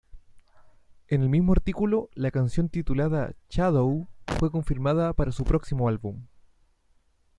En el mismo artículo, la canción titulada "Shadow" fue confirmada para su próximo álbum.